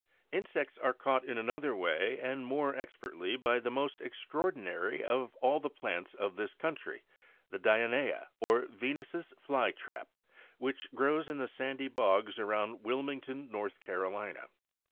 = Insects are caught in another way, and more expertly, by the most extraordinary of all the plants of this country, the Dionæa or Venus's Fly trap, which grows in the sandy bogs around Wilmington, North Carolina.